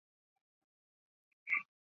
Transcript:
坐缆车下山